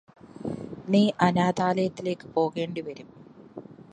നീ അനാഥാലയത്തിലേക്ക് പോകേണ്ടിവരും